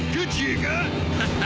ハハハハ！